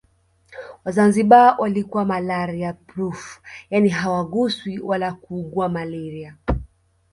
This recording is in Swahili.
Wazanzibari walikuwa malaria proof yaani hawaguswi wala kuugua malaria